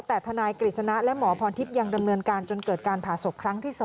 แต่ทนายกฤษณะและหมอพรทิพย์ยังดำเนินการจนเกิดการผ่าศพครั้งที่๒